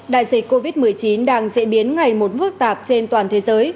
đại dịch covid một mươi chín đang diễn biến ngày một phức tạp trên toàn thế giới